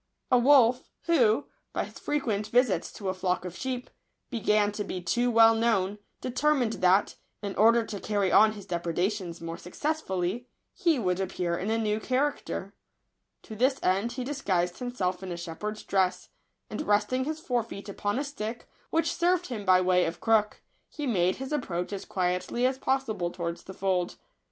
* WOLF, who, by his frequent visits to a flock of sheep, began to be too well known, deter mined that, in order to carry on his depre dations more successfully, he would appear in a new character. To this end he dis guised himself in a shepherd's dress; and, resting his fore feet upon a stick, which served him by way of crook, he made his approach as quietly as possible towards the fold.